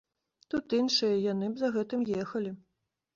Тут іншае, і яны б за гэтым ехалі.